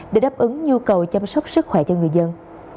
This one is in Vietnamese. để đáp ứng nhu cầu chăm sóc sức khỏe cho người dân